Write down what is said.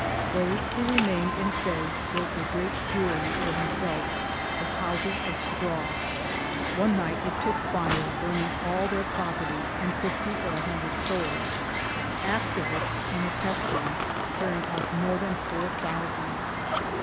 Those who remained in Fez built a great Jewry for themselves of houses of straw; one night it took fire, burning all their property and fifty or a hundred souls — after which came a pestilence, carrying off more than four thousand.